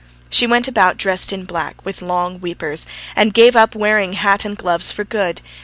She went about dressed in black with long "weepers," and gave up wearing hat and gloves for good.